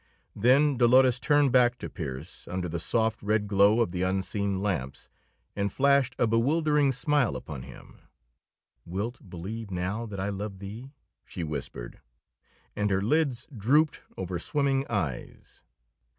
Then Dolores turned back to Pearse, under the soft, red glow of the unseen lamps, and flashed a bewildering smile upon him. "Wilt believe now that I love thee?" she whispered, and her lids drooped over swimming eyes.